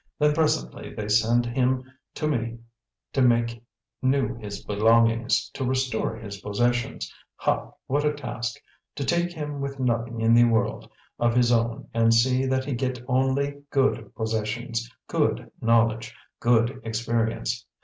Then presently they send him to me to make new his belongings, to restore his possessions. Ha, what a task! To take him with nothing in the world of his own and see that he get only GOOD possessions, GOOD knowledge, GOOD experience!